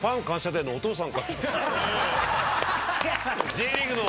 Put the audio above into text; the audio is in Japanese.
Ｊリーグの。